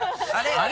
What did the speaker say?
あれ？